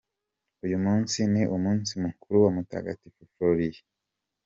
Uyu munsi ni umunsi mukuru wa Mutagatifu Florien .